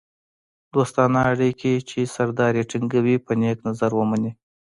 دوستانه اړیکې چې سردار یې ټینګوي په نېک نظر ومني.